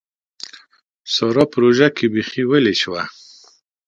سارا په روژه کې بېخي ويلې شوه.